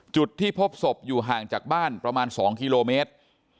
จุดที่พบศพอยู่ห่างจากบ้านประมาณ๒กิโลเมตร